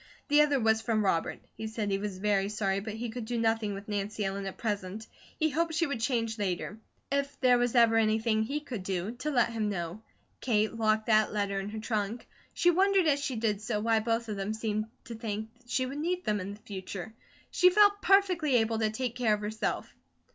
The other was from Robert. He said he was very sorry, but he could do nothing with Nancy Ellen at present. He hoped she would change later. If there was ever anything he could do, to let him know. Kate locked that letter in her trunk. She wondered as she did so why both of them seemed to think she would need them in the future. She felt perfectly able to take care of herself.